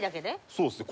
そうですね